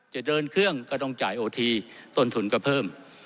จะเดินเครื่องก็ต้องจ่ายโอทีต้นทุนก็เพิ่ม